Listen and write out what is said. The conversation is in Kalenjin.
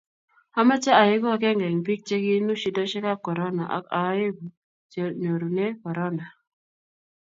amache aengu akenge eng bik che kinu shidoshek ab korona ak aeku chenyorune korona